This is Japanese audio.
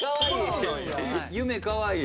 かわいい！